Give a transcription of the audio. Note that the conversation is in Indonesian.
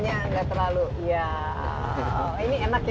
yaaaww ini enak ya